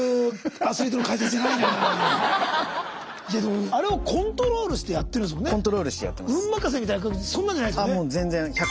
いやでもあれをコントロールしてやってるんですものね。